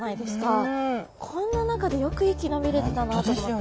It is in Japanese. こんな中でよく生き延びれてたなと思って。